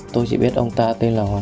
tôi chỉ biết ông ta tên là hoàng măng